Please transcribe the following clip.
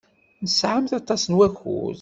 Tesɛamt aṭas n wakud.